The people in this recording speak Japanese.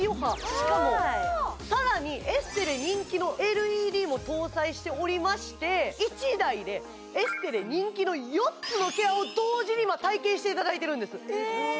しかもさらにエステで人気のＬＥＤも搭載しておりまして１台でエステで人気の４つのケアを同時に今体験していただいてるんです